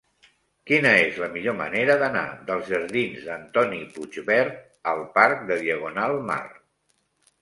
Quina és la millor manera d'anar dels jardins d'Antoni Puigvert al parc de Diagonal Mar?